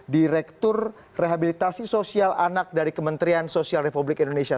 direktur rehabilitasi sosial anak dari kementerian sosial republik indonesia